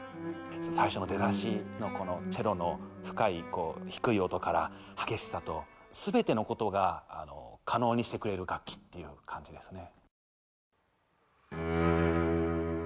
最初の出だしのこのチェロの深いこう低い音から激しさと全てのことを可能にしてくれる楽器っていう感じですね。